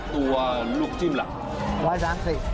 ตัวลูกจิ้มหรือ